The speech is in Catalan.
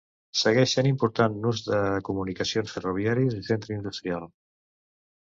Segueix sent important nus de comunicacions ferroviàries i centre industrial.